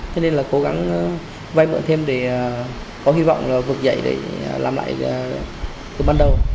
thế nên là cố gắng vay mượn thêm để có hy vọng vượt dậy để làm lại từ ban đầu